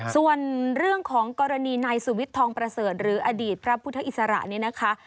ส่วนเรื่องของกรณีนายสุวิทย์ทองประเสริฐหรืออดีตพระพุทธอิสระนี้นะคะ